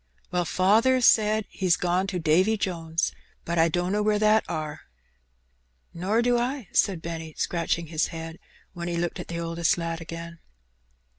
'' "Well, faather says he's gone to Davy Jones, but I danno where that are." "Nor I too," said Benny, scratching his head. Then he looked at the oldest lad again.